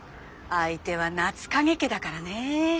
相手は夏影家だからね。